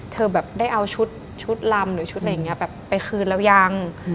แบบได้เอาชุดลำหรือชุดอะไรอย่างนี้แบบไปคืนแล้วยัง